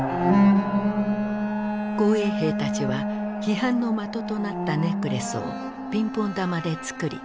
紅衛兵たちは批判の的となったネックレスをピンポン玉で作り